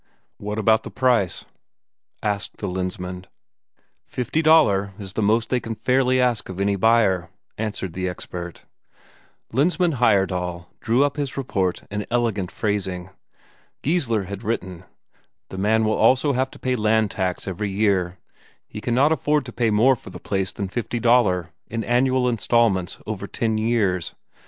"What about the price?" asked the Lensmand. "Fifty Daler is the most they can fairly ask of any buyer," answered the expert. Lensmand Heyerdahl drew up his report in elegant phrasing. Geissler had written: "The man will also have to pay land tax every year; he cannot afford to pay more for the place than fifty Daler, in annual instalments over ten years.